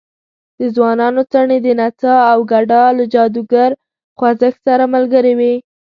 د ځوانانو څڼې د نڅا او ګډا له جادوګر خوځښت سره ملګرې وې.